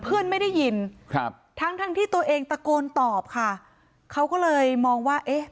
ไม่ได้ยินครับทั้งทั้งที่ตัวเองตะโกนตอบค่ะเขาก็เลยมองว่าเอ๊ะ